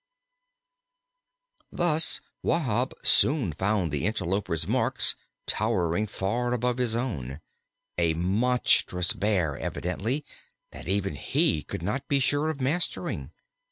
Thus Wahb soon found the interloper's marks towering far above his own a monstrous Bear evidently, that even he could not be sure of mastering.